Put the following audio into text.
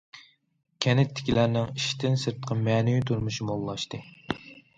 كەنتتىكىلەرنىڭ ئىشتىن سىرتقى مەنىۋى تۇرمۇشى موللاشتى.